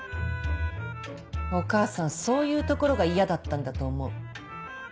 お母さんそういうところが嫌だったんだと思う。